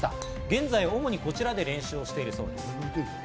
現在、主にこちらで練習をしているそうです。